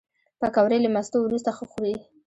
پکورې له مستو وروسته ښه خوري